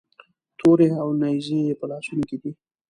تورې او نیزې یې په لاسونو کې دي.